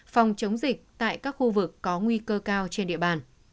phòng chống dịch tại các khu vực có nguy cơ cao trên địa bàn